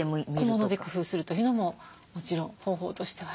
小物で工夫するというのももちろん方法としてはあります。